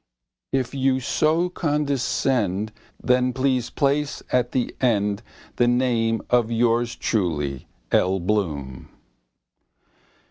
If you so condescend Then please place at the end The name of yours truly, L. Bloom.